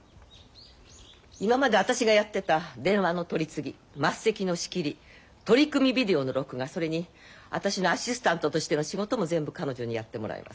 今まで私がやってた電話の取り次ぎ升席の仕切り取組ビデオの録画それに私のアシスタントとしての仕事も全部彼女にやってもらいます。